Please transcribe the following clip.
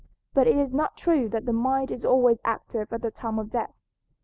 But it is not true that the mind is always active at the time of death.